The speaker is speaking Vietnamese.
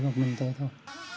một mình thôi thôi